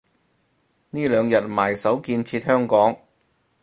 呢兩日埋首建設香港